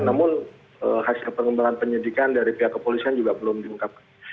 namun hasil pengembangan penyidikan dari pihak kepolisian juga belum diungkapkan